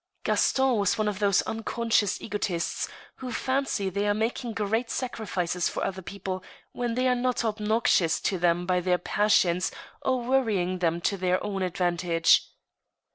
Gaston was one of those unconscious egotists who fancy they are making great sacrifices for other people when they are not obnox ious to them by their passions or worrying them to their own ad vantage.